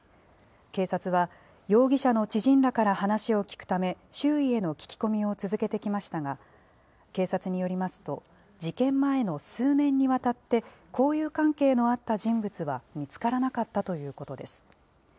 警察は、容疑者の知人らから話を聞くため、周囲への聞き込みを続けてきましたが、警察によりますと、事件前の数年にわたって、交友関係のあった人物は見つからなかったということです。